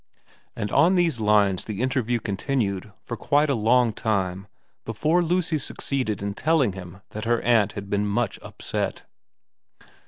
And on these lines the interview continued for quite a long time before Lucy succeeded in telling him that her aunt had been much upset.